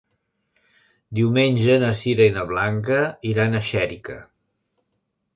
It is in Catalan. Diumenge na Sira i na Blanca iran a Xèrica.